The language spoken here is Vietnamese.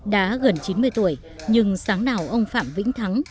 đã gần chín mươi tuổi nhưng sáng nào ông phạm vĩnh thắng